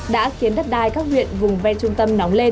đã khiến đất đai các huyện vùng ven trung tâm nóng lên